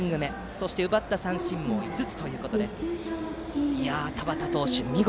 そして奪った三振も５つということで田端投手、見事！